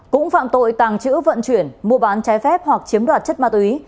cũng phạm tội tàng trữ vận chuyển mua bán trái phép hoặc chiếm đoạt chất ma túy